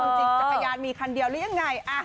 เออจริงจากกระยานมีคนเดียวหรือยังไงอ่า